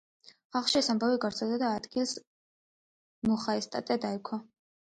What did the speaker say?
ხალხში ეს ამბავი გავრცელდა და ადგილს მუხაესტატე დაერქვა.